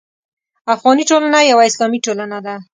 افغاني ټولنه یوه اسلامي ټولنه ده.